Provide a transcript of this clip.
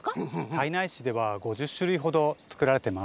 胎内市では５０しゅるいほどつくられてます。